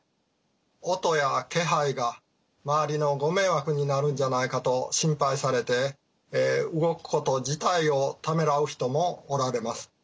音や気配が周りのご迷惑になるんじゃないかと心配されて動くこと自体をためらう人もおられます。